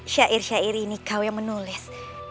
syair syair ini kau yang menulis